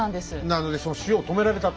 なのでその塩を止められたと。